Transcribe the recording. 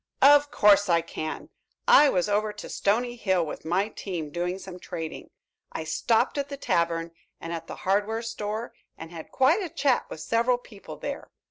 "Of course I can. I was over to Stony Hill with my team, doing some trading. I stopped at the tavern and at the hardware store, and had quite a chat with several people there.